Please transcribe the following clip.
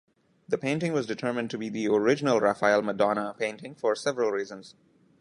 The painting was determined to be the original Raphael Madonna painting for several reasons.